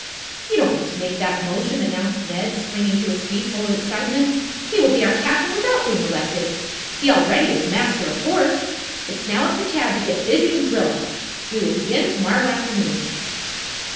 "You don't need to make that motion," announced Ned, springing to his feet, full of excitement. "He will be our captain without being elected. He already is master of horse. It's now up to Tad to get busy and drill us. We will begin to morrow afternoon."